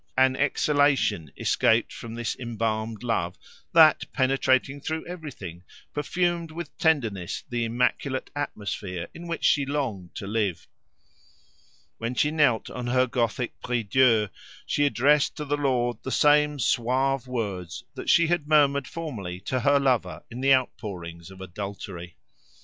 An exhalation escaped from this embalmed love, that, penetrating through everything, perfumed with tenderness the immaculate atmosphere in which she longed to live. When she knelt on her Gothic prie Dieu, she addressed to the Lord the same suave words that she had murmured formerly to her lover in the outpourings of adultery.